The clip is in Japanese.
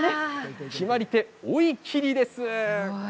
決まり手、追い切りです。